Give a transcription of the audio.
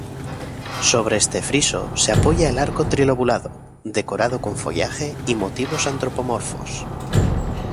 Sobre este friso se apoya el arco trilobulado, decorado con follaje y motivos antropomorfos.